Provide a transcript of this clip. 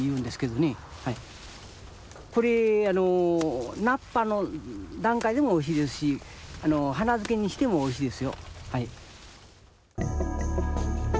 これ菜っぱの段階でもおいしいですし花漬けにしてもおいしいですよ。